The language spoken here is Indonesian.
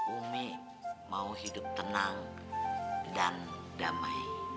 umi mau hidup tenang dan damai